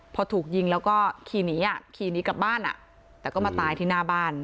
พอถูกยิงแล้วก็ขี่หนีอ่ะขี่หนีกลับบ้านแต่ก็มาตายที่หน้าบ้าน